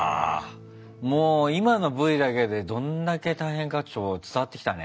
もう今のＶだけでどんだけ大変か伝わってきたね。